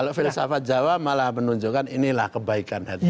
kalau filsafat jawa malah menunjukkan inilah kebaikan hati